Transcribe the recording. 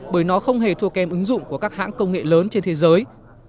bởi nó không hề thua kém ứng dụng của các hãng công nghệ lớn trên thế giới